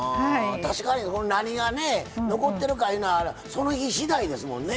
あ確かに何が残ってるかいうのはその日しだいですもんね。